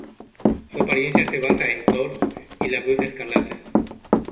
Su apariencia se basa en Thor y la Bruja Escarlata.